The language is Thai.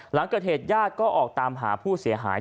หลังเกิดเหตุญาติก็ออกตามหาผู้เสียหาย